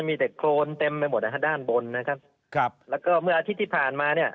มีแต่โครนเต็มไปหมดนะฮะด้านบนนะครับครับแล้วก็เมื่ออาทิตย์ที่ผ่านมาเนี่ย